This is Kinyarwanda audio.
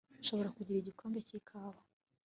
Nshobora kugira igikombe cyikawa